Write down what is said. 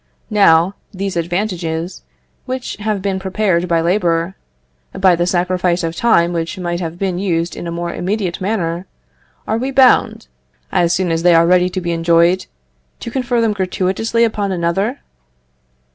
Now, these advantages, which have been prepared by labour, by the sacrifice of time which might have been used in a more immediate manner, are we bound, as soon as they are ready to be enjoyed, to confer them gratuitously upon another?